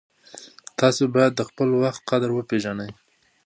تاسې باید د خپل وخت قدر وپېژنئ.